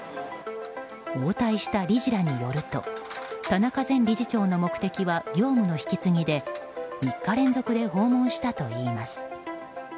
応対した理事らによると田中前理事長の目的は業務の引き継ぎで３日連続で訪問したといいます。